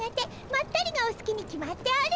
まったりがおすきに決まっておる！